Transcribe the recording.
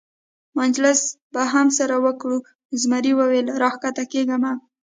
مجلس به هم سره وکړو، زمري وویل: را کښته کېږه مه.